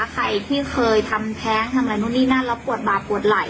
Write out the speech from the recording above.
ใครที่เผยทำแพ้งแลต์แบบนี้แล้วปวดบาดปวดไหล่